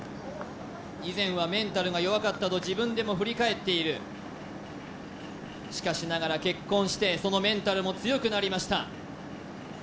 以前はメンタルが弱かったと自分でも振り返っているしかしながら結婚してそのメンタルも強くなりました